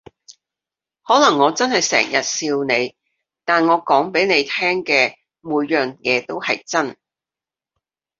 可能我真係成日笑你，但我講畀你聽嘅每樣嘢都係真